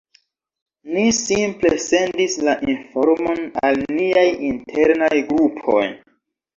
Ni simple sendis la informon al niaj "internaj" grupoj.